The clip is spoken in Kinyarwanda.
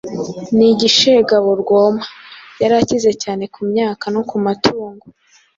n’igishegabo rwoma. Yari akize cyane ku myaka no ku matungo,